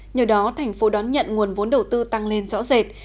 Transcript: nhờ đó thành phố đón nhận nguồn vốn đầu tư tăng lên rõ rệt